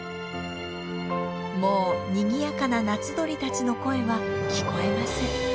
もうにぎやかな夏鳥たちの声は聞こえません。